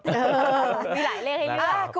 มีหลายเลขให้ดู